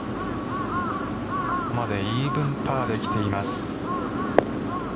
ここまでイーブンパーで来ています。